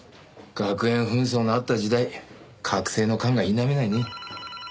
学園紛争のあった時代隔世の感が否めないね。